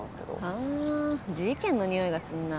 はあ事件のにおいがすんな。